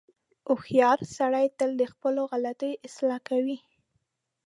• هوښیار سړی تل د خپلو غلطیو اصلاح کوي.